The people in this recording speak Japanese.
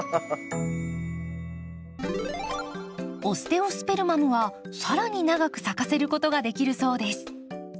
オステオスペルマムは更に長く咲かせることができるそうです。